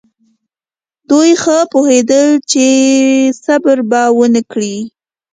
دوی ښه پوهېدل چې صبر به ونه کړي.